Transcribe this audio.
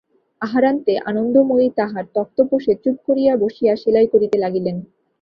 আহারান্তে আনন্দময়ী তাঁহার তক্তপোশে চুপ করিয়া বসিয়া সেলাই করিতে লাগিলেন।